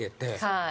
はい。